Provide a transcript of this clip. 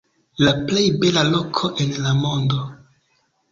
La plej bela loko en la mondo.